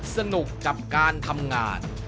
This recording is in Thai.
สนุกกับการทำงาน